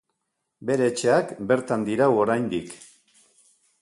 Bere etxeak bertan dirau oraindik.